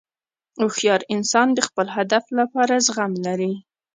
هوښیار انسان د خپل هدف لپاره زغم لري.